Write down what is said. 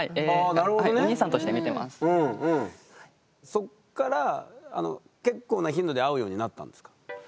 そっから結構な頻度で会うようになったんですか？